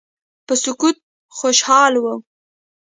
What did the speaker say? په سقوط خوشاله وه.